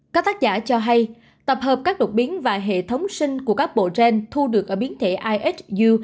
các tác giả cho hay tập hợp các đột biến và hệ thống sinh của các bộ gen thu được ở biến thể isu